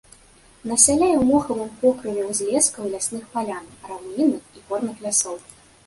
Насяляе ў мохавым покрыве узлескаў і лясных палян раўнінных і горных лясоў.